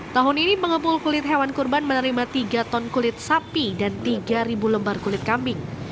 tahun ini pengepul kulit hewan kurban menerima tiga ton kulit sapi dan tiga lembar kulit kambing